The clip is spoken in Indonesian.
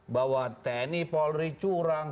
bahwa tni polri curang